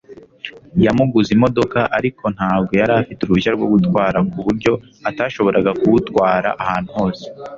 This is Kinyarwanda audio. Yamuguze imodoka ariko ntabwo yari afite uruhushya rwo gutwara kuburyo atashoboraga kuwutwara ahantu hose